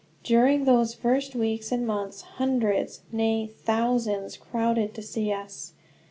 During those first weeks and months hundreds, nay thousands, crowded to see us.